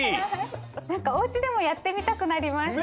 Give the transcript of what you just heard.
なんかおうちでもやってみたくなりました！